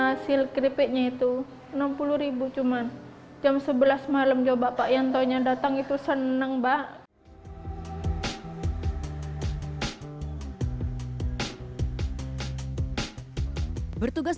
hasil kripiknya itu enam puluh cuman jam sebelas malam coba pak yang tanya datang itu seneng bak bertugas